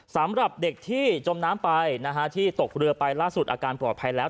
สำหรับเด็กที่จมน้ำไปที่ตกเรือไปล่าสุดอาการปลอดภัยแล้ว